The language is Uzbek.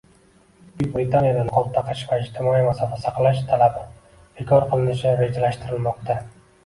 Buyuk Britaniyada niqob taqish va ijtimoiy masofa saqlash talabi bekor qilinishi rejalashtirilmoqda